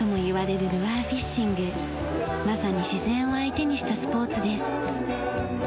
まさに自然を相手にしたスポーツです。